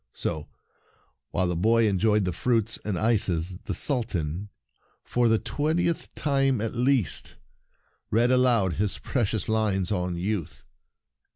So, while the boy enjoyed the fruits and ices, the Sultan, for the twentieth time at least, read aloud his precious Hnes on youth.